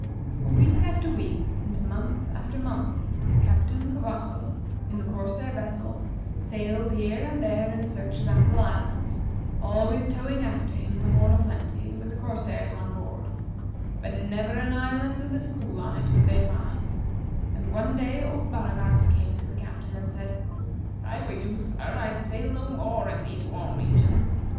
For week after week, and month after month, Captain Covajos, in the corsair vessel, sailed here and there in search of Apple Island, always towing after him the "Horn o' Plenty," with the corsairs on board, but never an island with a school on it could they find; and one day old Baragat came to the Captain and said: "If I were you, sir, I'd sail no more in these warm regions.